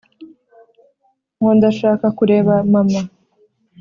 ngo ndashaka kureba mama.